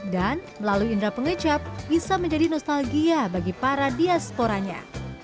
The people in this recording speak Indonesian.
dan melalui indera pengecap bisa menjadi nostalgia bagi para diasporanya